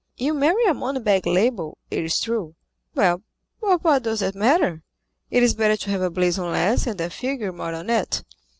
You marry a money bag label, it is true; well, but what does that matter? It is better to have a blazon less and a figure more on it.